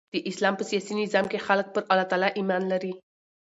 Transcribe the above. د اسلام په سیاسي نظام کښي خلک پر الله تعالي ایمان لري.